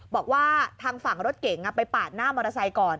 บอกว่าทางฝั่งรถเก๋งไปปาดหน้ามอเตอร์ไซค์ก่อน